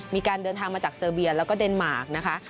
มีการเดินทางมาจากเซอร์เบียแล้วก็เดนมาร์กนะคะ